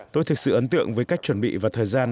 tôi thực sự ấn tượng với cách chuẩn bị và thời gian